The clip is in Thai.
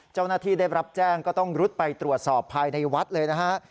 เจ้าหน้าที่ได้รับแจ้งก็ต้องรุดไปตรวจสอบภายในวัดเลยนะฮะ